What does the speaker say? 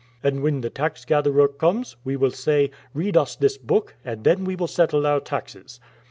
And when the tax gatherer comes we will say, ' Read us this book, and then we will settle our taxes.'